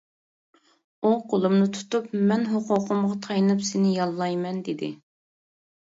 ئۇ قۇلۇمنى تۇتۇپ: «مەن، ھوقۇقۇمغا تايىنىپ سېنى ياللايمەن» دېدى.